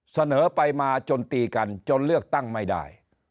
เสนอไปมาจนตีกันจนเลือกตั้งไม่ได้